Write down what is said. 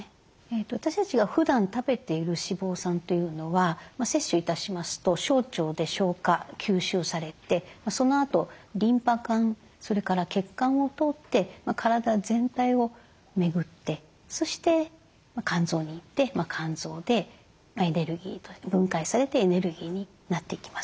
私たちがふだん食べている脂肪酸というのは摂取いたしますと小腸で消化吸収されてそのあとリンパ管それから血管を通って体全体を巡ってそして肝臓に行って肝臓で分解されてエネルギーになっていきます。